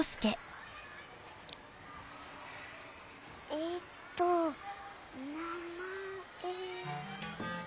えっとなまえ。